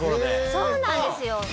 そうなんですよ。